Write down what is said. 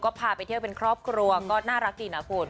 ก็พาไปเที่ยวเป็นครอบครัวก็น่ารักดีนะคุณ